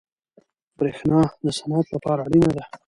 برښنا د صنعت لپاره اړینه ده.